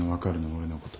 俺のこと。